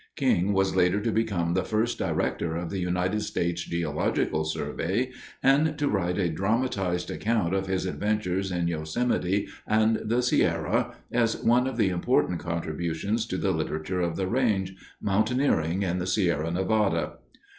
King was later to become the first director of the United States Geological Survey and to write a dramatized account of his adventures in Yosemite and the Sierra as one of the important contributions to the literature of the range, Mountaineering in the Sierra Nevada.